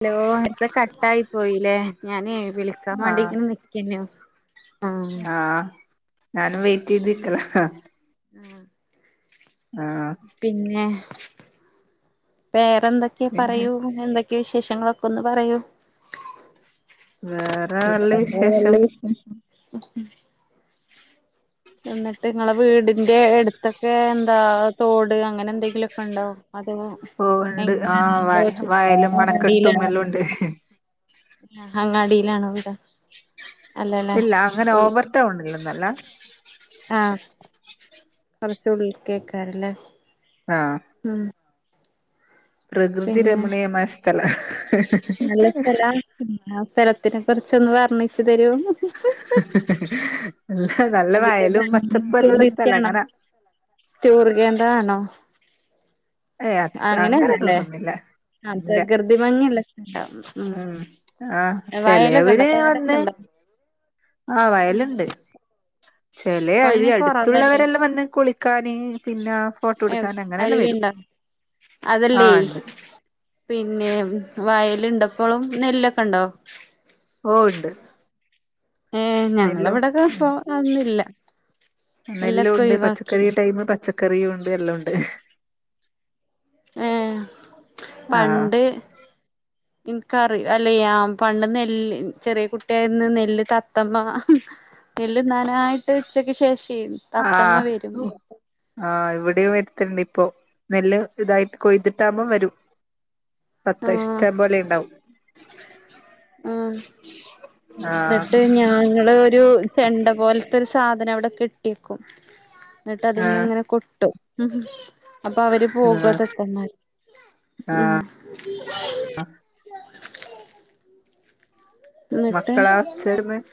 Hello അത കട്ടായി പോയില്ലേ ഞാനേ വിളിക്കാൻ ആഹ് വേണ്ടീങ്ങനെ നിക്കേയ്നു ആഹാ ആഹ് ഞാനും വെയ് [inaudible] ആഹ് ആഹാ പിന്നെ വേറെന്തൊക്കെ പിന്നെ പറയു എന്തെ ബാക്കി വിശേഷങ്ങളൊക്കൊന്ന് പറയൂ [inaudible] പിന്നെപ്പെന്താ നല്ല വിശേഷം വിശേഷം എന്നട്ട് ഇങ്ങളെ വീടിന്റെ എട്ത്തെക്കെ എന്താ തോട് അങ്ങനെന്തെങ്കിലൊക്കെണ്ടോ? അതവാ എങ്ങനെ പോവ്ണ്ട് ആഹ് വയ വയലും അണക്കെട്ടും [unintelligible] ഇണ്ടാവാ? എല്ലാം ഉണ്ട് ആഹാ അങ്ങാടിയിലാണോ വീട്? അല്ലല്ലേ ഇല്ല അങ്ങനെ ഉൾ ഓവർ ടൗണിലന്നൊല്ല ആഹ് കൊറച്ച് ഉള്ളിൽ കേക്കാരല്ലേ ആഹാ മ് പ്രകൃതി രമണീയമായ സ്ഥലാ നല്ല സ്ഥലാ ഇന്നാ സ്ഥലത്തിനെ കുറിച്ചൊന്ന് വർണ്ണിച്ചു തരൂ എല്ല നല്ല അതിന്റെ വയലും ഭംഗി പച്ചപ്പൊല്ലൊള്ള ടൂറിസ്റ്റ് സ്ഥലാ ആണോ ഇങ്ങനെ ടൂർ കേന്ദ്രമാണോ ഏയ് അ അങ്ങനെ അങ്ങനെയല്ലല്ലേ ടൂറൊന്നുല്ല ആ പ്രകൃതി ഉം [unintelligible] ആഹ് വയലൊക്കെ ഉണ്ടോ ചെലവര് കേടൊക്കെ വന്ന് ഉണ്ടാവ [unintelligible] [inaudible] ആഹ് വയലുണ്ട് ഇപ്പൊ ചെലവര് അയിന് കൊറവല്ലേ അടുത്തുള്ളവരെല്ലാം വന്ന് കുളിക്കാന് പിന്നെ ഫോട്ടോ എടുക്കാൻ അങ്ങനെ എല്ലാ വരും [unintelligible] ആഹ് അതല്ലേയ് ഉണ്ട് പിന്നെ വയല് ഇണ്ടപ്പോളും നെല്ലൊക്കെ ഉണ്ടോ ഓ ഉണ്ട് ഏഹ് ഞങ്ങളവിടോക്കെപ്പോ അതൊന്നുല്ല നെല്ല് നെല്ലൊക്കെ ഉണ്ട് ഒഴിവാക്കി പച്ചക്കറിയ ടൈമ പച്ചക്കറിയ ഉണ്ട് എല്ലാം ഉണ്ട് ഏ ആഹ് പണ്ട് [unintelligible] പണ്ട് നെല്ല് ചെറിയ കുട്ടിയായിരുന്നു നെല്ല് തത്തമ്മ [unintelligible] നെല്ല് തിന്നാനായിട്ട് ഉച്ചക്ക് ശേഷം തത്തമ്മ ആഹ് വരും [unintelligible] ആഹ് ഇവിടെയും വരുത്തിണ്ട് ഇപ്പൊ നെല്ല് ഇതായിട്ട് കൊയ്തിട്ടാകുമ്പോ വരും തത്ത ആഹ് ഇഷ്ടം പോലെ ഉണ്ടാവും ആഹ് ആഹ് എന്നിട്ട് ഞങ്ങള് ഒരു ചെണ്ട പോലത്തോരു സാധനം അവിടെ കെട്ടിയേക്കും എന്നിട്ട് അതി ആഹ് ഇങ്ങനെ കൊട്ടും ഉ [unintelligible] അപ്പൊ അവര് പോക ആഹ് ത [unintelligible] ത്തന്മാര് ഉ [unintelligible] എന്നിട്ട് മക്കളാ [unintelligible]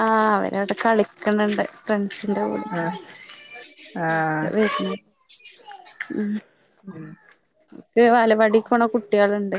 ആ അവരവിട കളിക്കണണ്ട് ഫ്രണ്ട്സിന്റെ കൂടെ ആഹ് ആഹ് [inaudible] ഉം [unintelligible] വാ ലവാടി ക്ക് പോണ കുട്ടികളുണ്ട്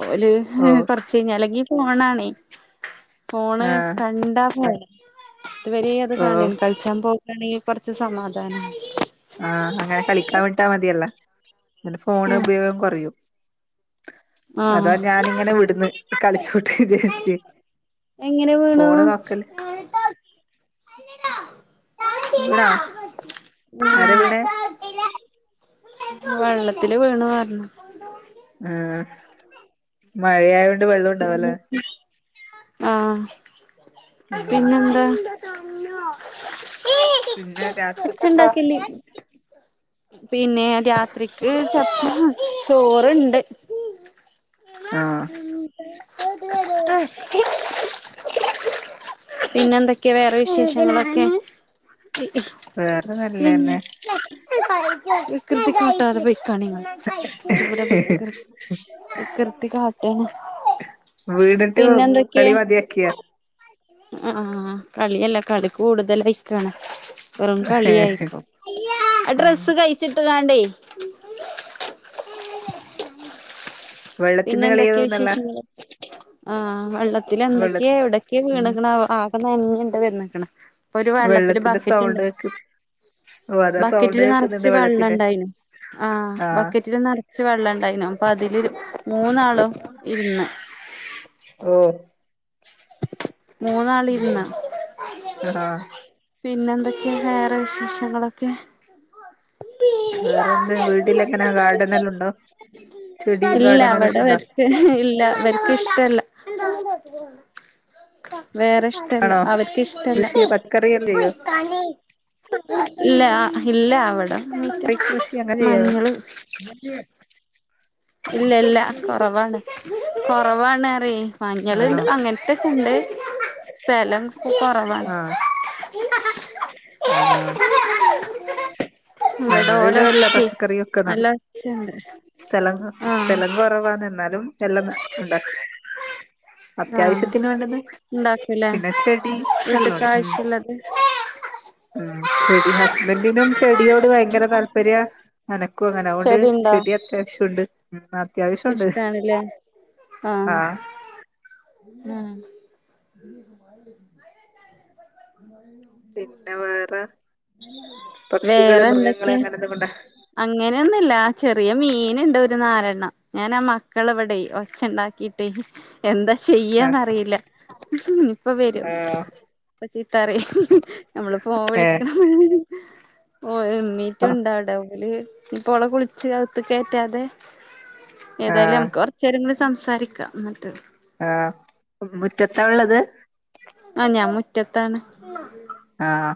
ഓല് ഓ കൊറ [unintelligible] ചേഞ്ഞലങ്കി [unintelligible] ഫോണാണേ ഫോണ് ആഹ് കണ്ടാ പോ ഇവര് അത് ഓ കാണ [unintelligible] കളിച്ചാൻ പോകയാണെങ്കിൽ കൊറച്ച് സമാധാനം ആഹ് അങ്ങനെ കളിക്കാൻ വിട്ടാൽ മതിയല്ല എന്നിട്ട് ഫോണ് ഉപയോഗം കുറയും ആഹ് അതാ ഞാനിങ്ങനെ ആഹ് വിടുന്ന് കളിച്ചോട്ട് വിചായിച്ച് എങ്ങനെ വേണോ [inaudible] വീണാ ആരെ വീണെ [unintelligible] വെള്ളത്തില് വീണു പറഞ്ഞു ഉം മഴയായ [unintelligible] ആഹ് ഉം പിന്നെന്താ [inaudible] പിന്നെ രാത്രിക്കെന്താ ഒച്ചണ്ടാക്കല്ലേ പിന്നെ രാത്രിക്ക് ചപ്പ ചോറുണ്ട് ആഹ് [inaudible] പിന്നെന്തൊക്കെയാ വേറെ വിശേഷങ്ങളൊക്കെ വേറെ നല്ലന്നെ [unintelligible] [inaudible] [unintelligible] വികൃതി കാട്ടാണ് വീണി ട്ട് കളി മതിയാക്കിയ ആ ആ കളിയല്ല കളി കൂടുതൽയിക്കാണ് വെറും കളി ആയിപ്പോ [unintelligible] ഉം ഡ്രസ്സ് കഴിച്ചിട്ട്ക്കടേയ് [unintelligible] പിന്നെ വെള്ളത്തിന്റെ എന്തൊക്കെയ കളിയാതോന്നല്ല വിശേഷങ്ങള് ആഹ വെള്ളത്തി വെള്ള എന്തൊക്കെയാ എവിടക്കെയ ഉം വീണ് ക്കണോ ആവോ ഇപ്പൊ നെഞ്ഞുണ്ട് [unintelligible] വന്നക്കണ ഇപ്പൊ ഒരു വെള്ളത്തില് വെള്ളത്തിന്റെ ബക്കറ്റ് ഉണ്ട് സൗണ്ട് കേക്ക്ന്ന് ഓ അതാ സൗണ്ട് ബക്കറ്റില് കേക്കുന്നുണ്ട് നെറച്ച് വെള്ളത്തിന്റെ വെള്ളണ്ടായിനു ആഹ് ബക്കറ്റിൽ നെറച്ച് വെള്ളുണ്ടായിനു അപ്പൊ അതില്‌ മൂന്നാളും ഇരുന്ന് ഓ മൂന്നാള് ഉം ഇരുന്ന് അ ആഹ് പിന്നെ എന്തൊക്കെയാ വേറെ വിശേഷങ്ങളൊക്കെ വേറെന്ത് വീട്ടിലെങ്ങനാ ഗാർഡനെല്ലാണ്ടോ ചെടീം ഇല്ല ഗാർഡനെല്ലാം ഇവിടെ ഉണ്ടോ ഇല്ല ഇവർക്ക് ഇഷ്ടല്ല. എന്താ വേറെ ഇഷ്ടല്ല ആണോ അവർക്ക് ഇഷ്ടല്ല. കൃഷി പച്ചക്കറിയെല്ലാം ചെയ്യോ ഇല്ല ഇല്ല അവിടങ്ങനക്ക കൃഷി അങ്ങനെ ചെയ്യോ മഞ്ഞള്. ഇല്ലില്ലാ കൊറവാണ് കൊറവാണ് അറി മഞ്ഞള് ആണോ അങ്ങനത്തെക്കെണ്ട് സ്ഥലം കൊറവാണ്. [inaudible] ആ ഇവിടെ ഓലെ ഞങ്ങളിവ്ട എല്ലാ ഒച്ചേ പച്ചക്കറിയും ഒക്കെ നല്ല നടും ഒച്ചയുണ്ട് സ്ഥലം ആഹ് സ്ഥലം കൊറവാ എന്നാലും എല്ലാം ഇണ്ടാക്കും ആഹ് അത്യാവശ്യത്തിന് വേണ്ട്ന്ന ഉണ്ടാക്കൂലേ പിന്ന ചെടി വീട്ട്ക്ക് നല്ലോണം ഉം ആവശ്യള്ളത് ഉം ചെടി ഹസ്ബൻഡിനും ചെടി ചെടിയോട് ഭയങ്കര താല്പര്യാ എനക്കും അങ്ങന അതോണ്ട് ചെടി അത്യാവശ്യൊണ്ട് ഉം അത്യാവശ്യമുണ്ട് ഇഷ്ടാണല്ലേ ആഹ് ഉം. [unintelligible] [unintelligible] പിന്ന വേറ പക്ഷികള് വേറെ മൃഗങ്ങള് എന്തൊക്കെ അങ്ങനെ എന്തെങ്കിലുണ്ടാ അങ്ങനെയൊന്നുല്ല ചെറിയ മീനിണ്ട് ഒരു നാലെണ്ണം ഞാന മ്മ മക്കളിവിടെ ഒച്ച ഉണ്ടാക്കി എന്താ ആഹ് ചെയ്യാന്നറിയില്ല ഇപ്പ വെരും. ആഹ് ഇപ്പ ചീത്ത പറയും ഞമ്മൾ ഫോൺ വിളി ഏഹ് [unintelligible] ഓ എമ്മീറ്റ ആഹ് ഉണ്ടവ്ടെ ഓല് ഇപ്പോളെ കുളിച്ച് അകത്ത് കെയറ്റാതെ ഏതായാലും ആഹ് നമക്ക് കൊറച്ച് നേരകൂടി സംസാരിക്കാ എന്നിട്ട് ആഹ് മുറ്റത്താ ഉള്ളത്. ആഹ് ഞാൻ മുറ്റത്താണ് ആഹ്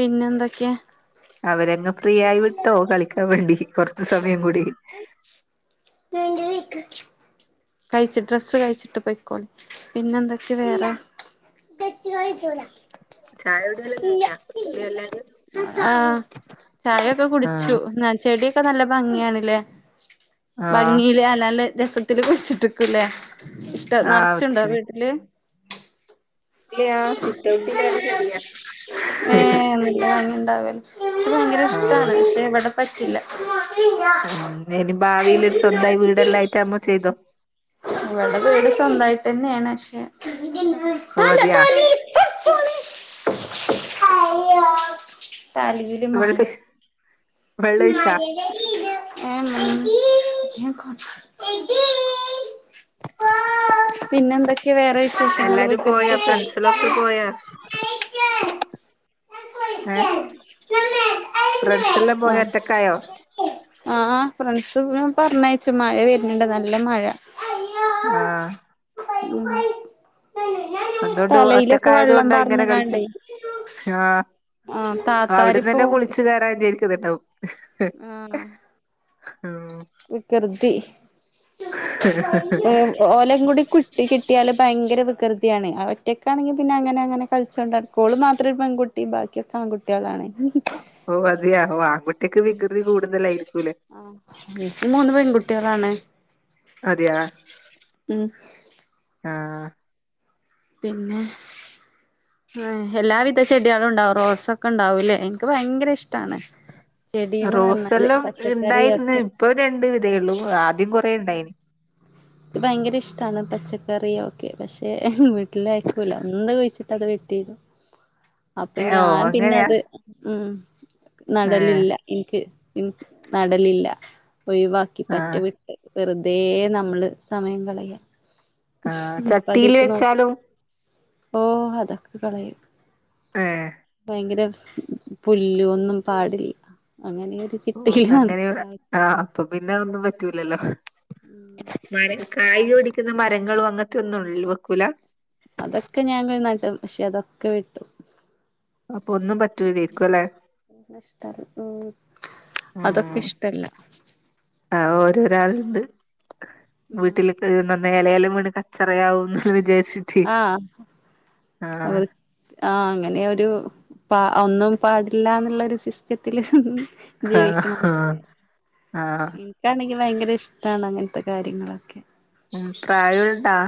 പിന്നെന്തൊക്കെ അവരെ അങ്ങ് ഫ്രീ ആയി വിട്ടോ കളിക്കാൻ വേണ്ടി കൊറച്ച് സമയം കുടി. ഇതെന്റെ ബൈക്ക് അഴ്ച്ച് ഡ്രെസ്സ് ആഴ്ച്ചിട്ട് പൊയിക്കോളി പിന്നെ എന്തൊക്കെയ വേറ ഇല്ലാ തെച്ച് കളിച്ചൂല ചായു ഇല്ല ഇല്ല ആഹ് ചായൊക്ക കുടിച്ചു ആഹ് നെ ചെടിയൊക്ക നല്ല ഭംഗിയണല്ലേ ആഹ് ഭംഗിയിലൽ നല്ല രസത്തില് കുഴിച്ചിട്ടക്കുല്ലേ ഇഷ്ട ആഹ് നറച്ചുണ്ടോ ഒച്ചിരി വീട്ടില് ഇല്ലൃ സിറ്റോട്ടില് വെര ചെടിയാ ഭംഗിണ്ടാവുല്ലോ ഭയങ്കര ആഹ് ഇഷ്ടാണ് പക്ഷെ ഇവിടെ പറ്റില്ല ഉം ന്തേ ഇനി ഭാവിലൊരു സ്വന്തായി വീടെല്ലാം അയിട്ടാമ്മോ ചെയ്തോ ഇവിടെ വീട് സ്വന്തായിട്ടന്നെയാണ് പക്ഷേ ഓ താനോ മതിയാ താനീ അയ്യോഹ് തലയില് മാര് വെള്ളോഴിച്ചാ എടീ ഏ മ എടീ കൊറച്ച് എടീ പാ പിന്നെ എന്തൊക്കെ വേറെ വിശേഷങ്ങൾ എല്ലാരും പോയാ വികൃതിചേ ഫ്രണ്ട്സിലൊക്കെ പോയാ ഏഹ് ഫ്രണ്ട്സെല്ലാം [unintelligible] പോയ ഒറ്റക്കായോ ആഹ ഫ്രണ്ട്സൊന് പറഞ്ഞയച്ചു മഴ വരുന്ണ്ട് നല്ല മഴ ആഹാ.. [unintelligible] ഉം. അതൊണ്ട് തലയിലൊക്കെ വെള്ളം ഒറ്റക്കായതൊണ്ടാ ഇങ്ങനെ കളിക്ക്- പാർന്ന്കാണ്ടേ ആഹ് ആഹ് താത്താരിപ്പോ അവ്ട്ന്നന്നെ കുളിച്ച് കേറാന്ന് എന്ന് രിക്ക്ന്നുണ്ടാവും ആഹ ആഹ് വികൃതി ഓലക്കുടി കു- ട്ടി കിട്ടിയാല് ഭയങ്കര വികൃതിയാണ് അവറ്റൊക്കാണെങ്കിൽ പിന്നെ അങ്ങനെ അങ്ങനെ കള്ച്ചൊണ്ടട്ക്കും ഓൾ മാത്രെ പെൺകു ട്ടി ബാക്കിയൊക്കെ ആൺകുട്ടിയാളാണെ ഓ അതെയാ ആങ്കുട്ടിക്ക് വികൃതി കൂടുതലായിരിക്കും. ആഹ്. എനിക്ക് മൂന്ന് പെൺകുട്ട്യളാണ് അതെയാ ആഹ പിന്നെ ആ എല്ലാവിധ ചെടിയാളും ഉണ്ടാവും റോസൊക്കെണ്ടാവുല്ലേ എനിക്ക് ഭയങ്കരഷ്ടാണ് റോസല്ലാം ഇണ്ടായിരുന്നു പച്ചക്കറിയൊക്കെ ഇപ്പൊ രണ്ട് വിതേള്ളൂ ആദ്യം കൊറേ ഉണ്ടായിന് ക്ക് ഭയങ്കര ഇഷ്ടാണ് പച്ചക്കറിയോക്കെ പക്ഷെ വീട്ടില് കായ്ക്കുല എന്ത് കുഴിച്ചിട്ടാ അത് വീ- ട്ടിതു അപ്പൊ ഓ ഞാൻ അങ്ങനെയാ പിന്നത് ഉം ഏഹ് നടലില്ല ഇൻക്ക് ഇൻക്ക് നടലില്ല ഒഴവാ- ക്കി പറ്റെ ആഹ് വിട്ട് വെറുതേ നമ്മള് സമയം കളയാ ആഹ് ഇപ്പ ചട്ടിയില് ഇതിക്ക്നോക്ക് വെച്ചാലും ഓ അതൊക്കെ കളയും ഏഹ് ഭയങ്കര പുല്ല് ഒന്നും പാടില്ല അങ്ങനെയൊരു ഓ അങ്ങനെയ ആഹ് അപ്പൊ പിന്നെ ഒന്നും പറ്റൂലല്ലോ മരക്കായ ഓടിക്കുന്ന മരങ്ങളും അങ്ങത്തെന്നും വെക്കൂല അതൊക്കെ ഞാൻ നടും പക്ഷെ അതൊക്കെ വെട്ടും അപ്പൊ ഒന്നും പറ്റൂലേര്ക്കും അല്ലേ ഇഷ്ട ഉ അതൊക്കെ ഇഷ്ടല്ല ആ ഓരോരാളുണ്ട് വീട്ടില് ന്ന ലെ ഇലയെല്ലാം വീണ് കച്ചറയാവൂ ന്ന് വിചാരിച് ആഹ് അവർ ആ അങ്ങനെയൊരു പ ഒന്നും പാടില്ല എന്നുള്ള ഒരു സിസ്റ്റത്തില് ആഹ് ജീവിക്കണം ആഹ് ആഹ് എനിക്കാണെങ്കിൽ ഭയങ്കര ഇഷ്ടാണ് അങ്ങനത്തെ കാര്യങ്ങളൊക്കെ ഉം പ്രായൂണ്ടോ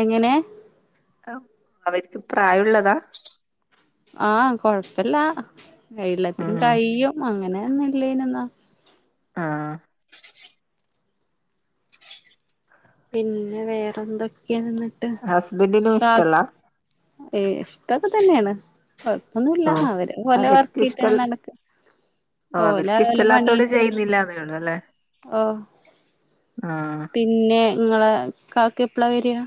എങ്ങനെ അവർക്ക് പ്രായുള്ളതാ ആഹ കൊഴപ്പല്ല എല്ലാത്തിനും ഉം കയിയും അങ്ങനൊന്നുല്ലേയ്നുന്നാ ആഹ് പിന്നെ വേറെന്തൊക്കെന്ന് ഹസ്ബൻഡിനും ഇഷ്ടല്ല ഏയ് ഇഷ്ടൊക്കെതന്നേയാണ് കൊഴപ്പൊന്നുല്ല ഓ അവരെ ഓലെ അവർക്ക് ഇഷ്ട വർകേറ്റങ്ങനെ നടക്കും ഓ ഓലെ അവർക്ക് ഓലെ ഇഷ്ടല്ലാത്തോണ്ട് പണിയായിട്ട് ചെയ്യുന്നില്ല എന്നെ ഉള്ളു ഓ പിന്നെ ഇങ്ങളെ കാക്ക എപ്പളാ വെരാ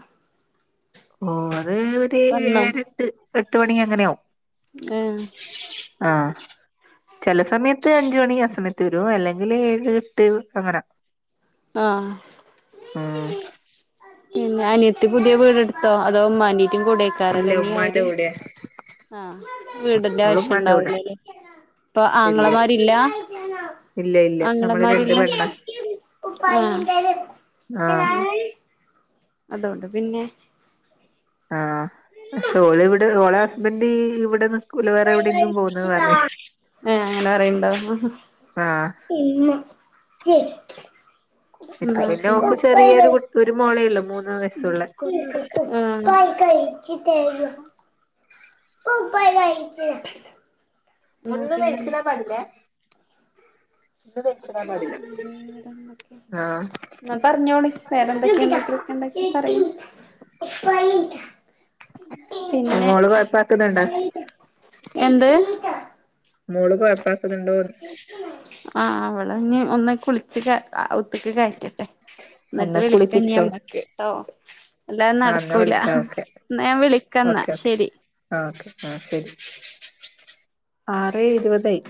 ഓര് ഒര് എയ് വന്നോ എട്ട് എട്ട് മണി അങ്ങനാവും ആഹ ആഹ് ചെല സമയത്ത് അഞ്ച് മണി അസമയത്ത് വരു അല്ലെങ്കില് ഏഴ് എട്ട് അങ്ങനാ ആ ആഹ പിന്നെ അനിയത്തി പുത്യേ വീടെട്ത്തോ അതോ ഉമ്മാൻ്റീറ്റും ഇല്ല കൂടെയ്ക്കാരല്ലേ ഇഞ്ഞി ഉമ്മാന്റെ അവര് കൂടെ ആഹ് വീടിന്റെ ഓള് ആവശ്യം ഉമ്മാന്റെ കൂടെ ഉണ്ടാവുലല്ലേ അപ്പൊ ഇല്ല ആങ്ങളമാരില്ല ഇല്ല ഇല്ല നമ്മള് രണ്ട് ആങ്ങളമാരില്ല പെണ്ണാ ആഹ് ആഹ് അതോണ്ട് പിന്നെ ആഹ പക്ഷെ ഓള് ഇവിടെ ഓളെ ഹസ്ബൻഡ ഇവിടെ- നിക്കൂല വേറെ എവിടെയെങ്കിലും പോകുന്ന് പറഞ്ഞ് ഏ അങ്ങനെ പറിണ്ടോ [unintelligible] ആഹ് [unintelligible] ഇക്ക്‌ പിന്നെ ഓക്ക് ചെറിയൊരു കു ഒരു മോളെയൊള്ളൂ മൂന്ന് വയസ്സുള്ള ആഹ് കുപ്പായി അയ്ച്. ഒന്നും വലിച്ചിടാൻ പാടില്ലേ ഇന്ന് വെച്ച്ടാം പാടില്ല വേറെന്തൊക്കെ ആഹ് ന്നാ പറ്ഞ്ഞോളി വേറെന്തൊക്കെ [unintelligible] പറി പിന്നെ മോള് കൊഴപ്പാക്കുന്നുണ്ടോ എന്ത് മോള് കൊയപ്പകനുടുണ്. ആ അവള്ഞ് ഒന്ന് കുളിച് കേ നെറ്റ് കയറ്റട്ടെ ന്നെട്ട് എന്നാ കുളിപ്പിച്ചോ വിളിക്കഞ്ങ്ങക്ക് ട്ടോ അല്ലാതെ ആഹ് എന്നാ നടക്കൂല വിളിക്കാം ഓക്കെ ന്നാ ഞാൻ വിളിക്കന്നാ ഓക്കെ ഓക്കെ ശരി ആഹ് ഓക്കെ ആഹ് ശരി ആറേ ഇരുപതായി